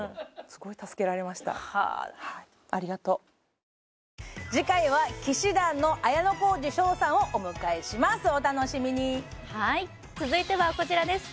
すごい助けられました次回は氣志團の綾小路翔さんをお迎えしますお楽しみにはい続いてはこちらです